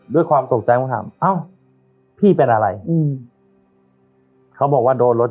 ด้วยความตกใจผมถามเอ้าพี่เป็นอะไรอืมเขาบอกว่าโดนรถ